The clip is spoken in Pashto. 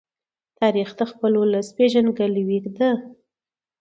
تاریخ د خپل ولس پېژندګلوۍ ده.